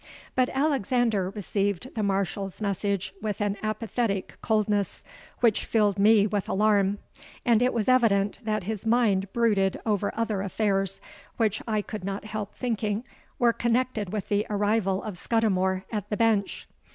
But Alexander received the Marshal's message with an apathetic coldness which filled me with alarm; and it was evident that his mind brooded over other affairs, which I could not help thinking were connected with the arrival of Scudimore at the Bench.